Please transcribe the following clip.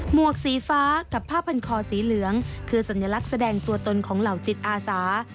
วกสีฟ้ากับผ้าพันคอสีเหลืองคือสัญลักษณ์แสดงตัวตนของเหล่าจิตอาสา